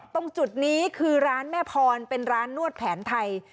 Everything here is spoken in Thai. ตรงจุดนี้คือร้านแม่พรเป็นร้านนวดแผนไทย